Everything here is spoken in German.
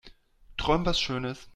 Träum was schönes.